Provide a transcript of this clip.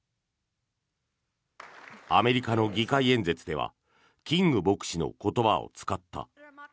アメリカの議会演説ではキング牧師の言葉を使った。